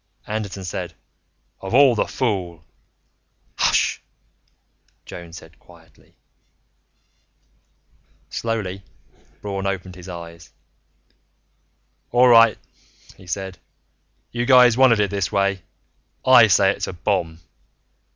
Anderton said, "Of all the fool " "Hush!" Joan said quietly. Slowly, Braun opened his eyes. "All right," he said. "You guys wanted it this way. _I say it's a bomb.